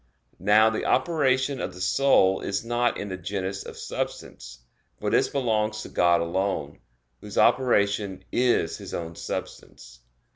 Now the operation of the soul is not in the genus of substance; for this belongs to God alone, whose operation is His own substance.